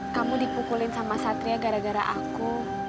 kamu dipukulin sama satria gara gara aku